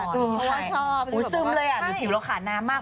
ชอบซึมเลยอ่ะหรือผิวเราขาน้ำมาก